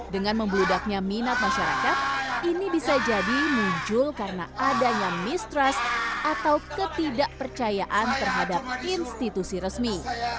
dengan membeludaknya minat masyarakat ini bisa jadi muncul karena adanya mistrust atau ketidakpercayaan terhadap institusi resmi